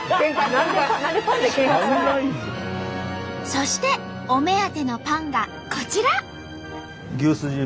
そしてお目当てのパンがこちら。